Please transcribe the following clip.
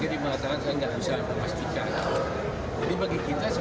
jadi bagi kita sebenarnya penyataannya saja itu tidak ada masalah bagi kita sekarang